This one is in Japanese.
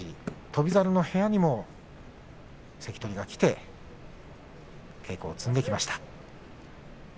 翔猿の部屋にも関取が来て稽古を積んできました。